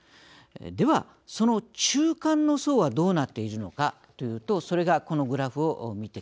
ではその中間の層はどうなっているのかというとそれがこのグラフを見てください。